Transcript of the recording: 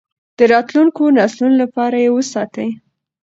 د راتلونکو نسلونو لپاره یې وساتئ.